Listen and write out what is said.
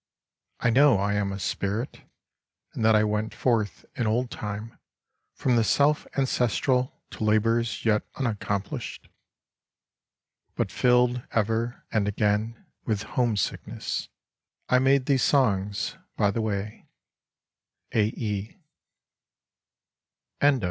I know I am a spirit, and that I went forth in old time from the Self ancestral to labours yet unaccomplished ; but filled ever and again with home sickness I made these songs by the way. A. E.